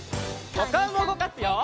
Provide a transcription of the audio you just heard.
おかおもうごかすよ！